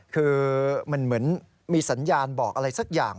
คือมันเหมือนมีสัญญาณบอกอะไรสักอย่าง